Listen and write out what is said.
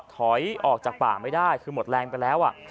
ถอยออกจากป่าไม่ได้คือหมดแรงไปแล้ว